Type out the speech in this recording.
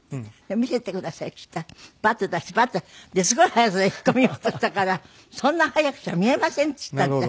「見せてください」って言ったらパッと出してパッとすごい速さで引っ込めようとしたから「そんな速くちゃ見えません」って言ったんですね。